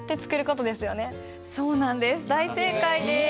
大正解です。